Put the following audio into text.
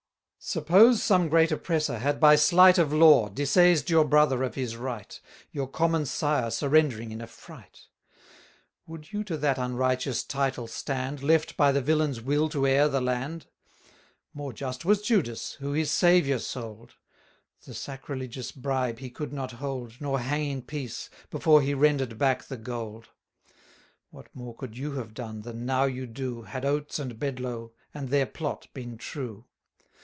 Suppose some great oppressor had by slight 710 Of law, disseised your brother of his right, Your common sire surrendering in a fright; Would you to that unrighteous title stand, Left by the villain's will to heir the land? More just was Judas, who his Saviour sold; The sacrilegious bribe he could not hold, Nor hang in peace, before he render'd back the gold. What more could you have done, than now you do, Had Oates and Bedlow, and their plot been true?